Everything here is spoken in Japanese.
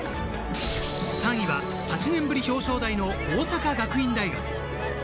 ３位は８年ぶり表彰台の大阪学院大学。